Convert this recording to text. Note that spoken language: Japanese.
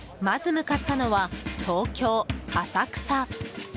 まず向かったのは、東京・浅草。